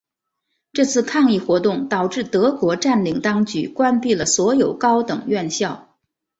这次抗议活动导致德国占领当局关闭了所有高等院校。